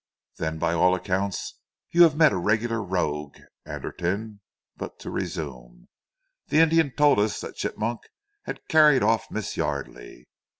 "Then, by all accounts, you have met a regular rogue, Anderton! But to resume, the Indian told us that Chigmok had carried off Miss Yardely.